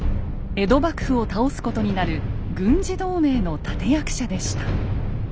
江戸幕府を倒すことになる軍事同盟の立て役者でした。